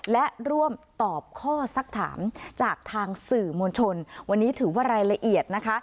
และร่วมตอบข้อสักถามจากทางสื่อมวลชนวันนี้ถือว่ารายละเอียดนะคะ